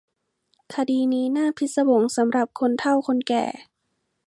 คดีนี้น่าพิศวงสำหรับคนเฒ่าคนแก่